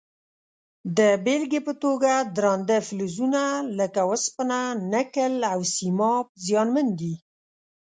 د بیلګې په توګه درانده فلزونه لکه وسپنه، نکل او سیماب زیانمن دي.